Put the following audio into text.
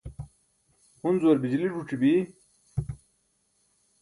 hunzuar bijili zuc̣i bi